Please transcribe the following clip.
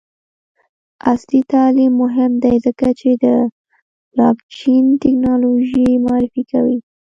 عصري تعلیم مهم دی ځکه چې د بلاکچین ټیکنالوژي معرفي کوي.